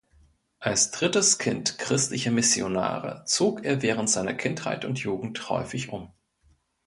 Als drittes Kind christlicher Missionare zog er während seiner Kindheit und Jugend häufig um.